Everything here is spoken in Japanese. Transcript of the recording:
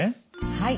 はい。